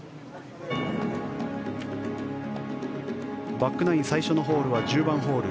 バックナイン最初のホールは１０番ホール。